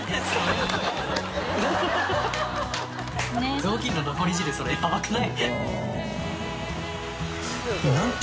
雑巾の残り汁それヤバくない？